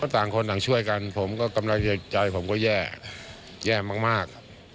ต่างคนต่างช่วยกันผมก็กำลังใจผมก็แย่แย่มาก